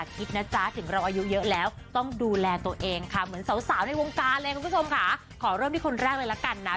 คนนี้บอกเลยว่าหุ่นเสียเวอร์